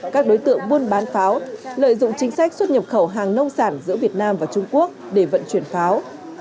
các đối tượng buôn bán pháo lợi dụng chính sách xuất nhập khẩu hàng nông sản giữa việt nam và trung quốc để vận chuyển pháo